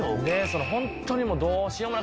ホントにどうしようもない